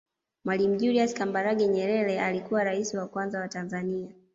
Mwalimu Julius Kambarage Nyerere alikuwa raisi wa kwanza wa Tanzania